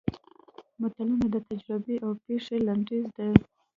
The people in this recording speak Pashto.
متلونه د تجربې او پېښې لنډیز دي